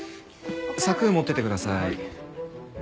柵持っててください。